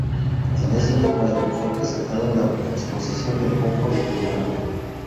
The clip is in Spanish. En ese mismo año, fue presentado en la Exposición del Confort Humano.